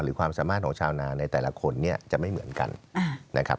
ความสามารถของชาวนาในแต่ละคนเนี่ยจะไม่เหมือนกันนะครับ